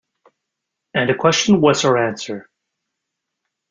And the question was her answer.